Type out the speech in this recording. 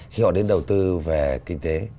khi họ đến đầu tư về kinh tế